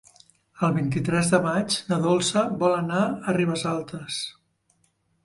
El vint-i-tres de maig na Dolça vol anar a Ribesalbes.